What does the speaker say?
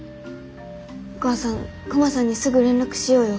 お母さんクマさんにすぐ連絡しようよ。